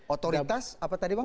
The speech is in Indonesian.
otoritas apa tadi pak